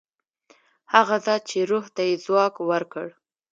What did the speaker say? هغه ذات چې روح ته یې ځواک ورکړ.